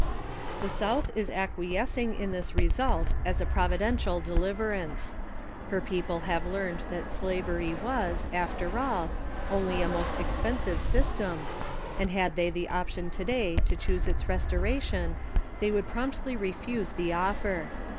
The South is acquiescing in this result as a providential deliverance. Her people have learned that slavery was, after all, only a most expensive system, and had they the option to day to choose its restoration they would promptly refuse the offer.